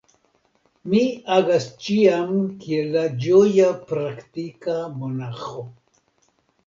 Mi agas ĉiam kiel la ĝoja praktika monaĥo.